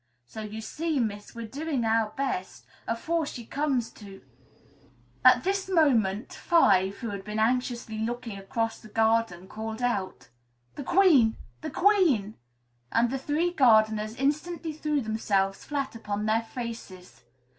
So you see, Miss, we're doing our best, afore she comes, to " At this moment, Five, who had been anxiously looking across the garden, called out, "The Queen! The Queen!" and the three gardeners instantly threw themselves flat upon their faces.